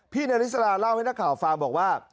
นาริสราเล่าให้นักข่าวฟังบอกว่า